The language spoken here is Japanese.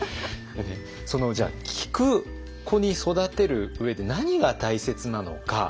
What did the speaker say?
その聞く子に育てる上で何が大切なのか。